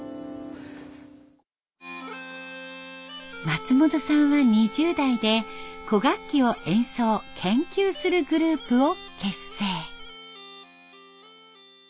松本さんは２０代で古楽器を演奏研究するグループを結成。